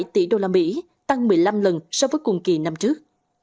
một chín mươi bảy tỷ usd tăng một mươi năm lần so với cùng kỳ năm trước